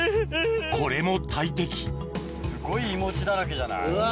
これも大敵すごいいもちだらけじゃない？